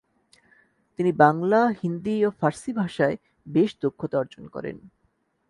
তিনি বাংলা, হিন্দি ও ফারসি ভাষায় বেশ দক্ষতা অর্জন করেন।